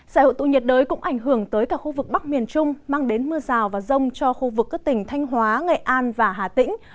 giải hội tụ nhiệt đới cũng ảnh hưởng tới cả khu vực bắc miền trung mang đến mưa rào và rông cho khu vực các tỉnh thanh hóa nghệ an và hà tĩnh